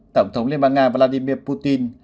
tổng thống liên bang nga vladimir putin